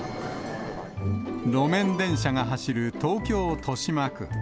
路面電車が走る東京・豊島区。